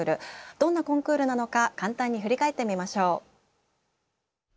どんなコンクールなのか簡単に振り返ってみましょう。